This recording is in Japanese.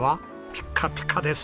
ピッカピカです。